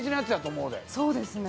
そうですね。